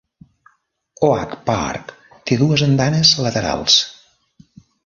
Oak Park té dues andanes laterals.